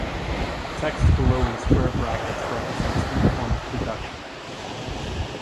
Text below in square brackets represents informed deduction.